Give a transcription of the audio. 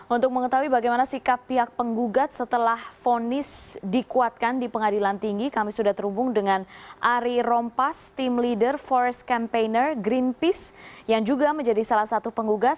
untuk mengetahui bagaimana sikap pihak penggugat setelah vonis dikuatkan di pengadilan tinggi kami sudah terhubung dengan ari rompas tim leader forest campaigner greenpeace yang juga menjadi salah satu penggugat